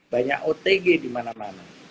banyak otg dimana mana